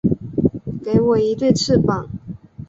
给我一对翅膀